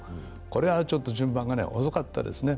これは、ちょっと順番が遅かったですね。